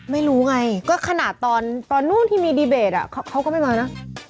ไม่รู้ไงก็ขนาดตอนนู้นที่มีดีเบตเขาก็ไม่มานะ